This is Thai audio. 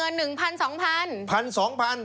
อยากได้เงิน๑๐๐๐๒๐๐๐บาท